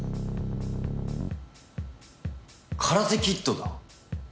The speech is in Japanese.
カラテキッドだ。